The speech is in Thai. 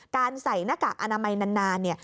การใส่หน้ากากอนามัยนาน